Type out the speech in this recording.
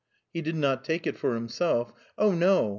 He did not take it for himself. "Oh, no!